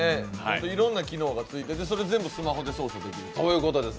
いろんな機能がついてて、それ全部スマホで操作できます。